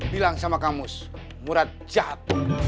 bilang sama kang mus murad jahat